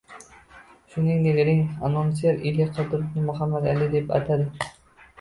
Shuningdek, ring-anonser Eli Qodirovni Muhammad Ali deb atadi